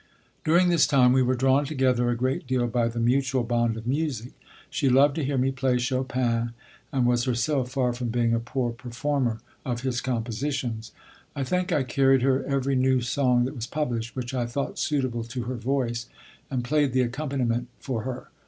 During this time we were drawn together a great deal by the mutual bond of music. She loved to hear me play Chopin and was herself far from being a poor performer of his compositions. I think I carried her every new song that was published which I thought suitable to her voice, and played the accompaniment for her.